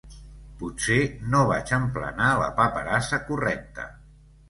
Potser, no vaig emplenar la paperassa correcta.